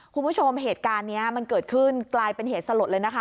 คุณผู้ชมเหตุการณ์นี้มันเกิดขึ้นกลายเป็นเหตุสลดเลยนะคะ